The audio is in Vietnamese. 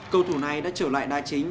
cầu thủ này đã trở lại đa chính